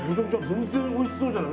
全然おいしそうじゃん！